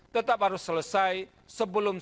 tetap harus selesai sebelum